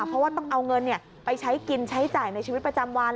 เพราะว่าต้องเอาเงินไปใช้กินใช้จ่ายในชีวิตประจำวัน